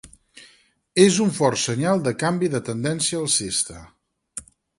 És un fort senyal de canvi de tendència alcista.